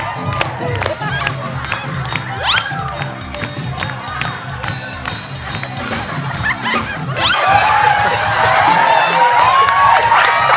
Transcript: เต้นประชานใช่ไหม